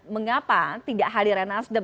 mengapa tidak hadirin nasdem